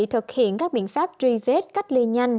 thực hiện các biện pháp truy vết cách ly nhanh